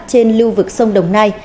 trên lưu vực sông đồng nai